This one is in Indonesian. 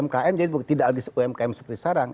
umkm jadi tidak lagi umkm seperti sekarang